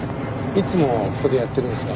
いつもここでやってるんですか？